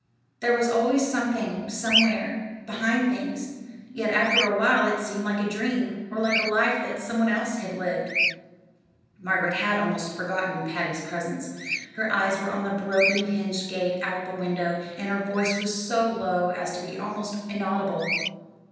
There was always something somewhere behind things; yet after a while it seemed like a dream, or like a life that some one else had lived." Margaret had almost forgotten Patty's presence. Her eyes were on the broken hinged gate out the window, and her voice was so low as to be almost inaudible.